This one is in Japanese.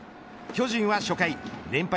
巨人は初回連敗